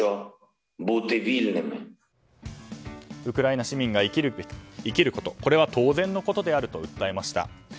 ウクライナ市民が生きることこれは当然のことであると訴えました。